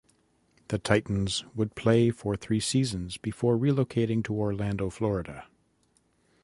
The Titans would play for three seasons before relocating to Orlando, Florida.